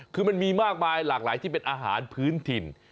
คือมันมีมากมายหลากหลายที่เป็นอาหารพื้นถิ่น